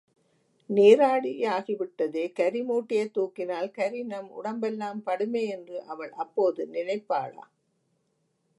நீராடியாகி விட்டதே கரி மூட்டையைத் தூக்கினால் கரி நம் உடம்பெல்லாம் படுமே என்று அவள் அப்போது நினைப்பாளா?